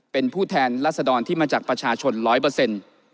เป็นผู้แทนละสะดอนที่มาจากประชาชน๑๐๐